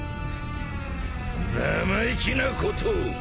生意気なことを。